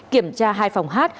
kiểm tra hai phòng hát